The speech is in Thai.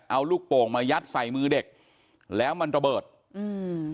เอาลูกโป่งมายัดใส่มือเด็กแล้วมันระเบิดอืม